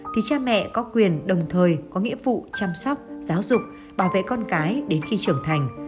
thì cha mẹ có quyền đồng thời có nghĩa vụ chăm sóc giáo dục bảo vệ con cái đến khi trưởng thành